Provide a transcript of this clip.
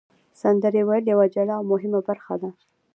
سندرې ویل یوه جلا او مهمه برخه ده.